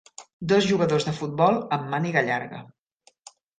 dos jugadors de futbol amb màniga llarga